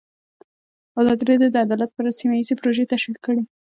ازادي راډیو د عدالت په اړه سیمه ییزې پروژې تشریح کړې.